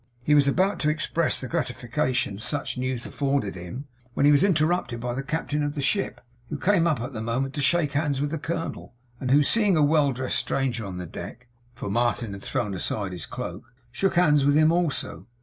He was about to express the gratification such news afforded him, when he was interrupted by the captain of the ship, who came up at the moment to shake hands with the colonel; and who, seeing a well dressed stranger on the deck (for Martin had thrown aside his cloak), shook hands with him also.